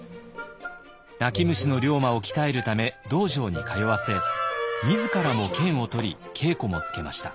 泣き虫の龍馬を鍛えるため道場に通わせ自らも剣を取り稽古もつけました。